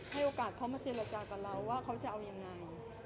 ให้โอกาสเขามาเจรจากับเราว่าเขาจะเอายังไง